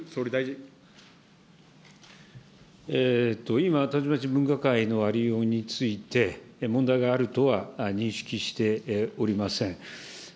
今、分科会のありようについて問題があるとは認識しておりません。